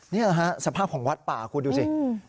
นี่เหรอฮะสภาพของวัดป่าดูสิ